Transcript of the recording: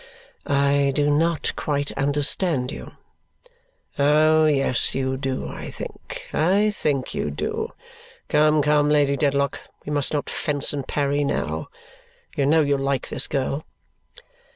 "I do not quite understand you." "Oh, yes you do, I think. I think you do. Come, come, Lady Dedlock, we must not fence and parry now. You know you like this girl."